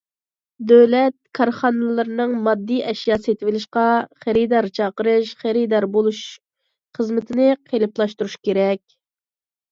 دۆلەت كارخانىلىرىنىڭ ماددىي ئەشيا سېتىۋېلىشتا خېرىدار چاقىرىش، خېرىدار بولۇش خىزمىتىنى قېلىپلاشتۇرۇش كېرەك.